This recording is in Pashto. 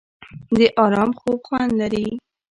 د ارام خوب خوند لري.